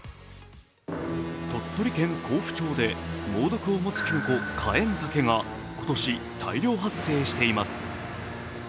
鳥取県江府町で猛毒を持つきのこ、カエンタケが今年大量発生しています。